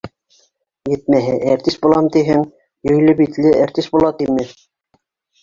Етмәһә, әртис булам тиһең, йөйлө битле әртис була тиме?!